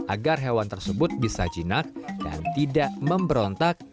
agar hewan tersebut bisa jinak dan tidak memberontak